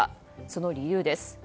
その理由です。